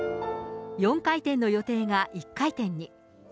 ４回転の予定が１回転に。